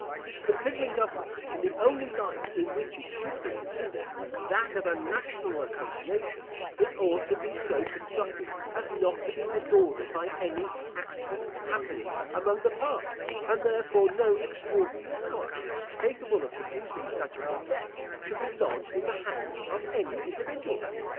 Considering government in the only light in which it should be considered, that of a National Association, it ought to be so constructed as not to be disordered by any accident happening among the parts; and, therefore, no extraordinary power, capable of producing such an effect, should be lodged in the hands of any individual.